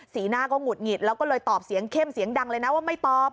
หน้าก็หุดหงิดแล้วก็เลยตอบเสียงเข้มเสียงดังเลยนะว่าไม่ตอบ